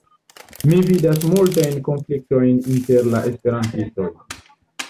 Mi vidas multajn konfliktojn inter la esperantistoj.